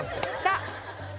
さあ。